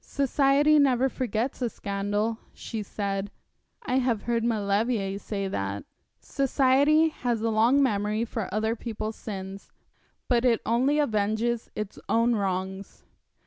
'Society never forgets a scandal,' she said; 'I have heard Maulevrier say that.' 'Society has a long memory for other people's sins, but it only avenges its own wrongs.